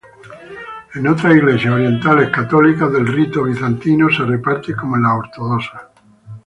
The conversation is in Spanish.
En otras iglesias orientales católicas del rito bizantino se reparte como en las ortodoxas.